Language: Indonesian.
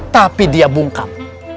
tapi dia bungkam